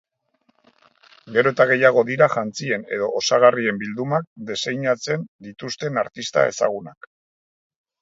Gero eta gehiago dira jantzien edo osagarrien bildumak diseinatzen dituzten artista ezagunak.